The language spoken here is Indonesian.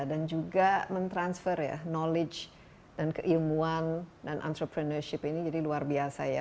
dan juga men transfer knowledge dan keilmuan dan entrepreneurship ini jadi luar biasa ya